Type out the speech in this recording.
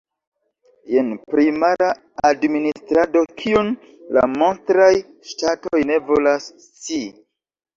Jen primara administrado, kiun la monstraj ŝtatoj ne volas scii.